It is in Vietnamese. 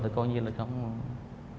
thì coi như là không được tìm được